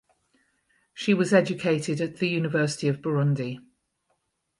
She was educated at the University of Burundi.